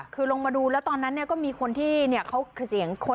คือลงมาดูแล้วตอนนั้นเนี่ยก็มีคนที่เนี่ยเขาเสียงโค้งนะครับ